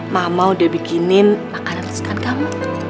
mama udah bikinin makanan sekat kamu